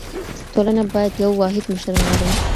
ټولنه باید یو واحد مشر ولري.